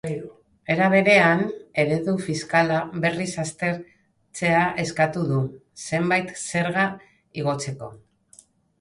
Era berean, eredu fiskala berriz aztertzea eskatu du, zenbait zerga igotzeko.